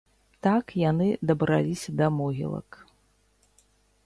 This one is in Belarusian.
Так яны дабраліся да могілак.